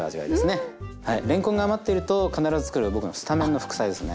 れんこんが余ってると必ずつくる僕のスタメンの副菜ですね。